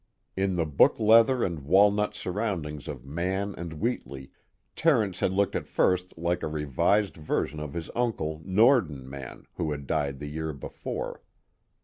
In the book leather and walnut surroundings of Mann and Wheatley, Terence had looked at first like a revised version of his uncle Norden Mann who had died the year before.